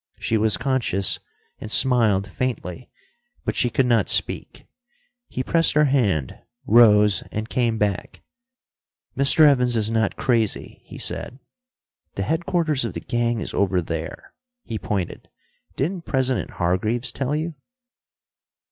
She was conscious, and smiled faintly, but she could not speak. He pressed her hand, rose, and came back. "Mr. Evans is not crazy," he said. "The headquarters of the gang is over there." He pointed. "Didn't President Hargreaves tell you?"